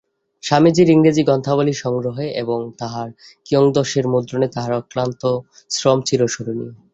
স্বামীজীর ইংরেজী গ্রন্থাবলী সংগ্রহে এবং তাহার কিয়দংশের মুদ্রণে তাঁহার অক্লান্ত শ্রম চিরস্মরণীয়।